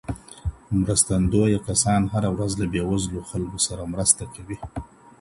مرستندویه کسان هره ورځ له بېوزلو خلګو سره مرسته کوي.